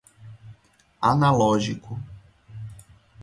analógico